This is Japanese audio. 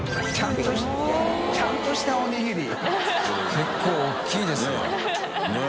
結構大きいですよ。ねぇ。